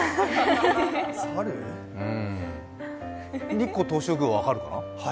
日光東照宮は分かるのかな。